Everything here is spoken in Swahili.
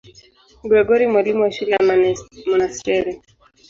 Gregori, mwalimu wa shule ya monasteri.